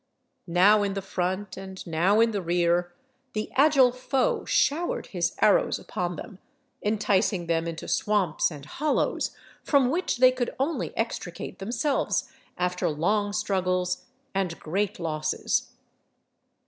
Now in the front and now in the rear, the agile foe showered his arrows upon them, enticing them into swamps and hollows, from which they could only extricate themselves after long struggles and great losses.